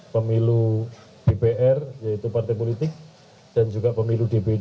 pemilu dpr yaitu partai politik dan juga pemilu dpd